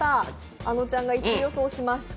あのちゃんが１位予想しました